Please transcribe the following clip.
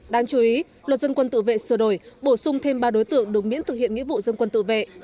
đáng chú ý luật dân quân tự vệ sửa đổi bổ sung thêm ba đối tượng được miễn thực hiện nghĩa vụ dân quân tự vệ